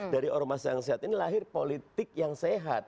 dari ormas yang sehat ini lahir politik yang sehat